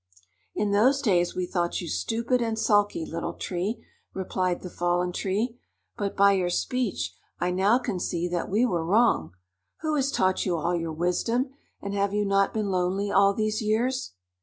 "In those days we thought you stupid and sulky, Little Tree," replied the Fallen Tree, "but by your speech I now can see that we were wrong. Who has taught you all your wisdom, and have you not been lonely all these years?"